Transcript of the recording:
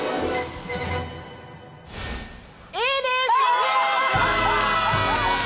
Ａです！